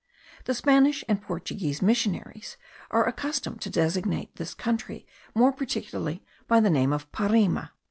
The Spanish and Portuguese missionaries are accustomed to designate this country more particularly by the name of Parima.